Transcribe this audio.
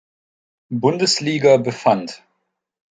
Bundesliga befand.